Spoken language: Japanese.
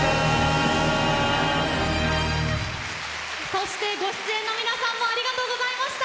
そしてご出演の皆さんもありがとうございました！